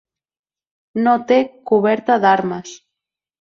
No té coberta d'armes.